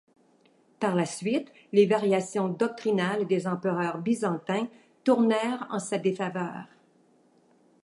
Par la suite, les variations doctrinales des empereurs byzantins tournèrent en sa défaveur.